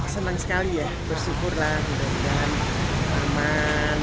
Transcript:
senang sekali ya bersyukurlah dengan aman